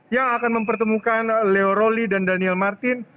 yang akan mempertemukan leo roli dan daniel martin